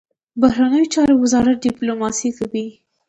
بهرنیو چارو وزارت ډیپلوماسي کوي